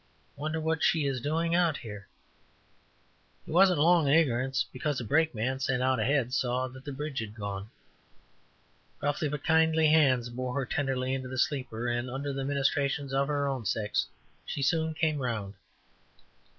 Wonder what she is doing out here." He wasn't long in ignorance, because a brakeman sent out ahead saw that the bridge had gone. Rough, but kindly hands, bore her tenderly into the sleeper, and under the ministrations of her own sex, she soon came around.